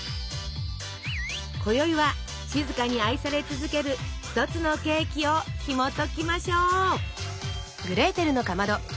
こよいは静かに愛され続ける一つのケーキをひもときましょう。